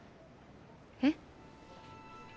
えっ？